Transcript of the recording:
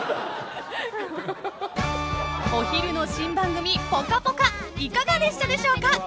［お昼の新番組『ぽかぽか』いかがでしたでしょうか？］